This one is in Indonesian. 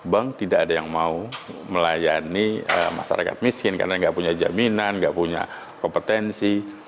bank tidak ada yang mau melayani masyarakat miskin karena nggak punya jaminan nggak punya kompetensi